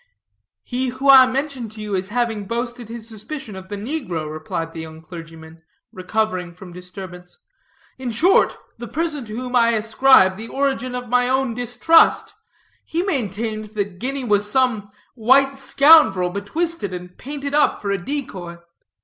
"He who I mentioned to you as having boasted his suspicion of the negro," replied the young clergyman, recovering from disturbance, "in short, the person to whom I ascribe the origin of my own distrust; he maintained that Guinea was some white scoundrel, betwisted and painted up for a decoy.